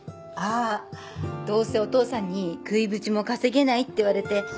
あっどうせお父さんに食いぶちも稼げないって言われて。